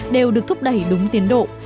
đều được thúc đẩy đúng tiến độ